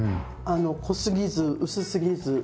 濃すぎず薄すぎず。